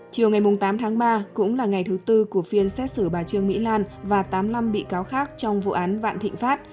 chiều ngày tám tháng ba cũng là ngày thứ tư của phiên xét xử bà trương mỹ lan và tám mươi năm bị cáo khác trong vụ án vạn thịnh pháp